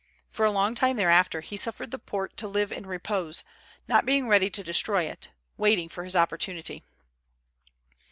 For a long time thereafter he suffered the Porte to live in repose, not being ready to destroy it, waiting for his opportunity.